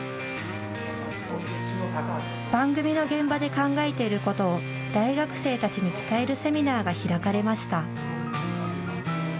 番組の現場で考えていることを大学生たちに伝えるセミナーが開かれました。